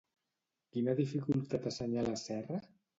Quina dificultat assenyala Serra?